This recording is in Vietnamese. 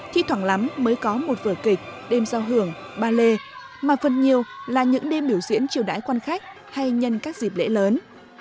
thi thoảng lắm mới có một vở kịch đêm giao hưởng ba lê mà phần nhiều là những đêm biểu diễn triều đái quan khách hay nhân các dịp lễ lớn